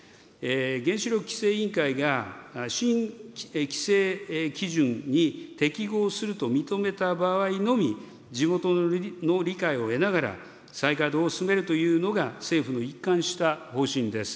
原子力規制委員会が新規制基準に適合すると認めた場合のみ、地元の理解を得ながら、再稼働を進めるというのが、政府の一貫した方針です。